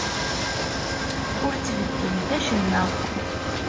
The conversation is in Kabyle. Ur ttbeddilet acemma!